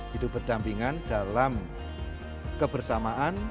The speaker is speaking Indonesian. hidup berdampingan dalam kebersamaan